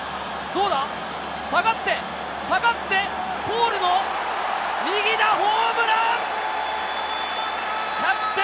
下がって下がって、ポールの右だ！